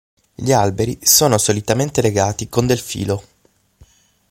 Gli alberi sono solitamente legati con del filo.